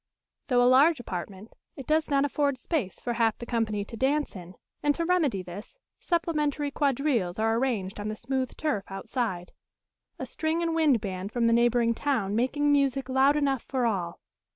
Though a large apartment, it does not afford space for half the company to dance in; and to remedy this, supplementary quadrilles are arranged on the smooth turf outside a string and wind band from the neighbouring town making music loud enough for all.